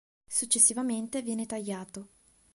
Successivamente viene "tagliato".